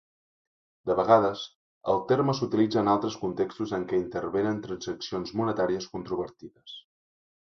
De vegades, el terme s'utilitza en altres contextos en què intervenen transaccions monetàries controvertides.